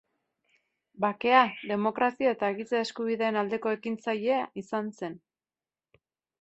Bakea, Demokrazia eta Giza Eskubideen aldeko ekintzailea izan zen.